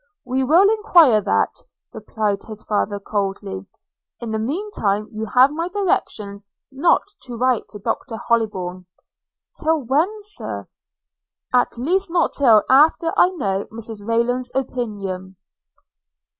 'We will enquire that,' replied his father coldly; 'in the mean time you have my directions not to write to Dr Hollybourn.' 'Till when, Sir?' 'At least not till after I know Mrs Rayland's opinion.'